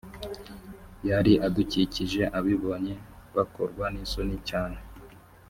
yari adukikije abibonye bakorwa n isoni cyane